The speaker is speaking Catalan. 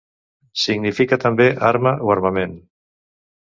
Significa també arma o armament.